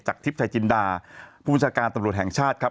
จากทฤษฎายจินดาผู้จัดการตำรวจแห่งชาติครับ